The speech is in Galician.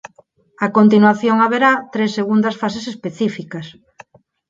A continuación haberá tres segundas fases específicas.